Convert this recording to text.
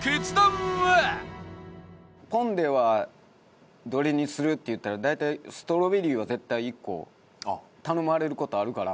ポン・デはどれにする？って言ったら大体ストロベリーは絶対１個頼まれる事あるから。